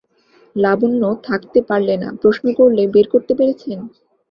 লাবণ্য থাকতে পারলে না, প্রশ্ন করলে, বের করতে পেরেছেন?